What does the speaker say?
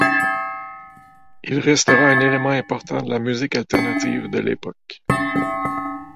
Il restera un élément important de la musique alternative de l'époque.